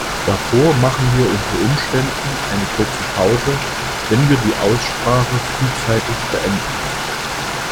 Davor machen wir unter Umständen eine kurze Pause, wenn wir die Aussprache frühzeitig beenden.